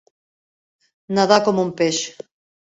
Nedar com un peix.